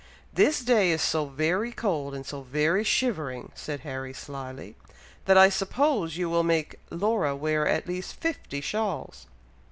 "This day is so very cold and so very shivering," said Harry, slyly, "that I suppose you will make Laura wear at least fifty shawls."